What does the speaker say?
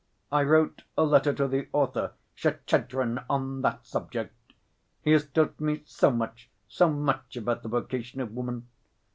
I wrote a letter to the author, Shtchedrin, on that subject. He has taught me so much, so much about the vocation of woman.